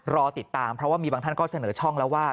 รอติดตามเพราะว่ามีบางท่านก็เสนอช่องแล้วว่า